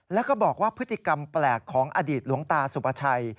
แล้วก็บอกว่าพฤติกรรมแปลกของอดีตหลวงตาสุปชัย